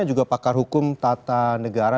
juga pakar hukum tata negara